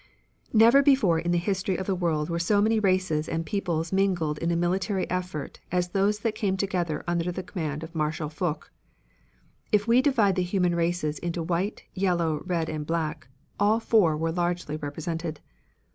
Never before in the history of the world were so many races and peoples mingled in a military effort as those that came together under the command of Marshal Foch. If we divide the human races into white, yellow, red and black, all four were largely represented.